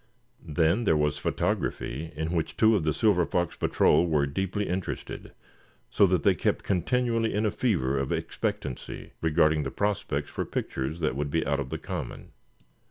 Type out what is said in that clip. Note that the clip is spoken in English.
Then there was photography in which two of the Silver Fox Patrol were deeply interested, so that they kept continually in a fever of expectancy regarding the prospects for pictures that would be out of the common.